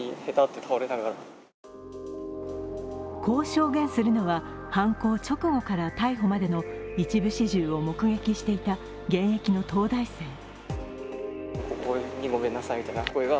こう証言するのは、犯行直後から逮捕までの一部始終を目撃していた現役の東大生。